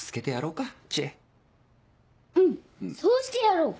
うんそうしてやろう！